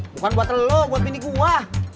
bukan buat lo buat bini gua